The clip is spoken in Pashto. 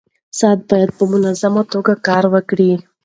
ساعت باید په منظمه توګه کار وکړي.